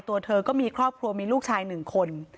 ตัวเธอก็มีครอบครัวมีลูกชายหนึ่งคน